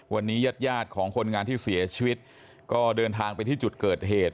วันนี้ญาติญาติของคนงานที่เสียชีวิตก็เดินทางไปที่จุดเกิดเหตุ